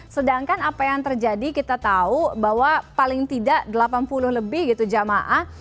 sedangkan apa yang terjadi kita tahu bahwa paling tidak delapan puluh lebih gitu jamaah